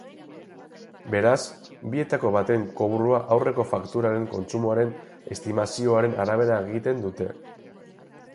Beraz, bietako baten kobrua aurreko fakturaren kontsumoaren estimazioaren arabera egiten dute.